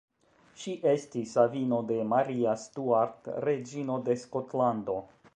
Ŝi estis avino de Maria Stuart, reĝino de Skotlando.